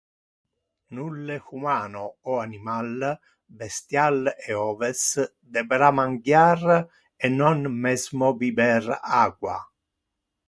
Nulle humano o animal, bestial e oves debera mangiar e non mesmo biber aqua.